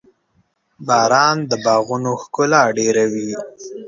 • باران د باغونو ښکلا ډېروي.